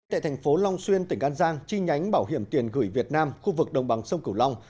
tại thành phố long xuyên tỉnh an giang chi nhánh bảo hiểm tiền gửi việt nam khu vực đồng bằng sông cửu long